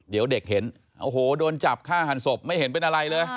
เดี๋ยวเด็กเห็นโอ้โหโดนจับฆ่าหันศพไม่เห็นเป็นอะไรเลย